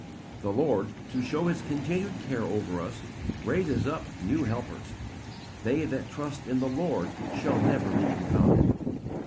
"The Lord, to show His continued care over us, raises up new helpers. They that trust in the Lord shall never be confounded.